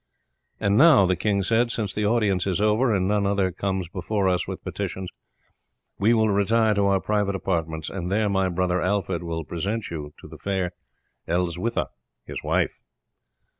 "And now," the king said, "since the audience is over, and none other comes before us with petitions, we will retire to our private apartments, and there my brother Alfred will present you to the fair Elswitha, his wife."